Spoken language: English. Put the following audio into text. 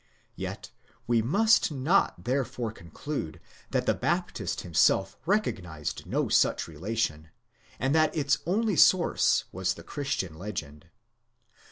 Yet we must not therefore conclude that the Baptist himself recognized no such relation, and that its only source was the Christian legend.